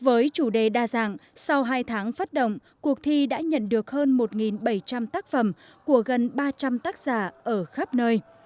với chủ đề đa dạng sau hai tháng phát động cuộc thi đã nhận được hơn một bảy trăm linh tác phẩm của gần ba trăm linh tác giả ở khắp nơi